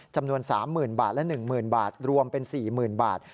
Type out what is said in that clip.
จำนวน๓๐๐๐บาทและ๑๐๐๐บาทรวมเป็น๔๐๐๐บาท